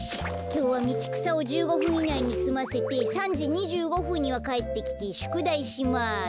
きょうはみちくさを１５ふんいないにすませて３じ２５ふんにはかえってきてしゅくだいします。